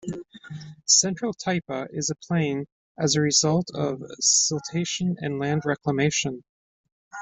Central Taipa is a plain as a result of siltation and land reclamation.